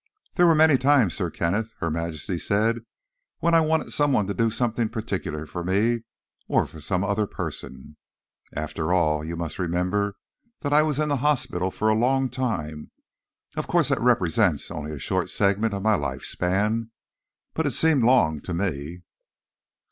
"There were many times, Sir Kenneth," Her Majesty said, "when I wanted someone to do something particular for me or for some other person. After all, you must remember that I was in a hospital for a long time. Of course, that represents only a short segment of my life span, but it seemed long to me."